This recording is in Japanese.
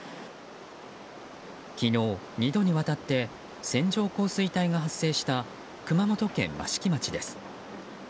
昨日、２度にわたって線状降水帯が発生した、熊本県益城町です。